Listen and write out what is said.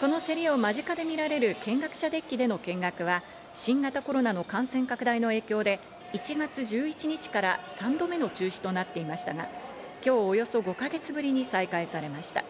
この競りを間近で見られる見学者デッキでの見学は、新型コロナの感染拡大の影響で１月１１日から３度目の中止となっていましたが、今日およそ５か月ぶりに再開されました。